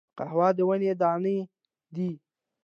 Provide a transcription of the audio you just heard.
قهوه د ونې دانی دي